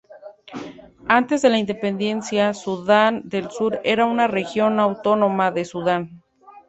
Antes de la independencia, Sudán del Sur era una región autónoma de Sudán.